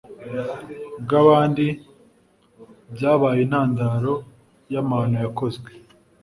bw'abandi byabaye intandaro y'amahano yakozwe.